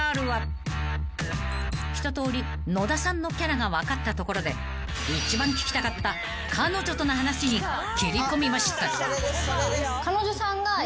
［ひととおり野田さんのキャラが分かったところで一番聞きたかった彼女との話に切り込みました］